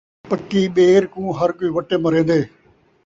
پکی ٻیر کوں ہر کوئی وٹے مرین٘دے